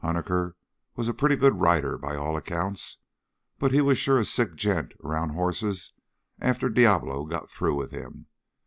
Huniker was a pretty good rider, by all accounts, but he was sure a sick gent around hosses after Diablo got through with him.